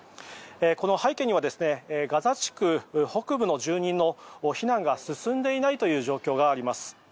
この背景にはガザ地区北部の住人の避難が進んでいないという状況があります。